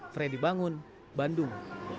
fredy bangun bandung